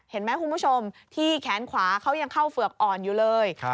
เห็นไหมคุณผู้ชมที่แขนขวาเขายังเข้าเฝือกอ่อนอยู่เลย